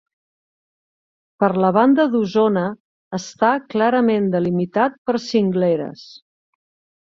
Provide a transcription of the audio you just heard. Per la banda d'Osona està clarament delimitat per cingleres.